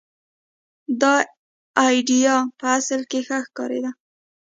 دا اېډیا په اصل کې ښه ښکارېده.